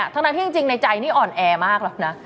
ทั้งนั้นที่จริงในใจนี่อ่อนแอมากแล้วนะ